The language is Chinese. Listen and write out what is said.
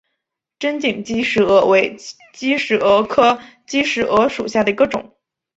针茎姬石蛾为姬石蛾科姬石蛾属下的一个种。